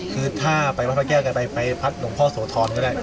คือถ้าไปวัดพระแก้วจะไปพักหลวงพ่อโสธรก็ได้